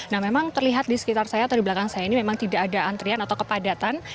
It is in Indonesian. nah memang terlihat di sekitar saya atau di belakang saya ini memang tidak ada antrian atau kepadatan